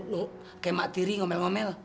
loh kayak mak tiri ngomel ngomel